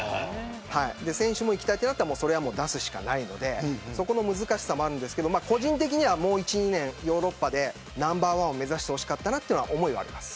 選手も行きたいとなったらそれは出すしかないのでその難しさはありますけど個人的にはもう１、２年ヨーロッパでナンバーワンを目指してほしかったという思いはあります。